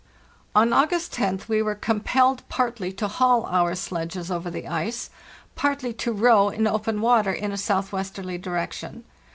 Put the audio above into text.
On August roth we were "compelled partly to haul our sledges over the ice, partly to row in open water in a southwesterly direction.